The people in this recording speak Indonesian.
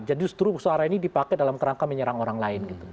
jadi justru sara ini dipakai dalam kerangka menyerang orang lain